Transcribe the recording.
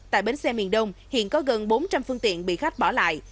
tại bến xe miền đông hiện có gần bốn trăm linh phương tiện bị khách bỏ lại